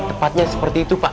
tepatnya seperti itu pak